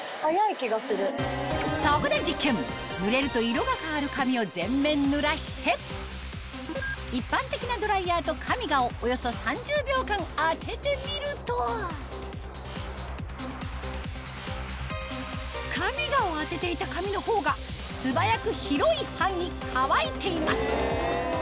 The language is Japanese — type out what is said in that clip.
そこで実験濡れると色が変わる紙を全面濡らして一般的なドライヤーとカミガをおよそ３０秒間当ててみるとカミガを当てていた紙の方が素早く広い範囲乾いています